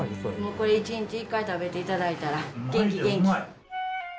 これ１日１回食べていただいたら元気元気。